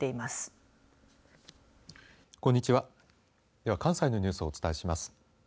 では、関西のニュースをお伝えします。